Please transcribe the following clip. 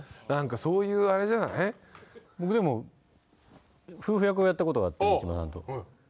僕夫婦役をやったことがあって満島さんと。